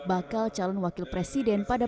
bakal calon wakil presiden pada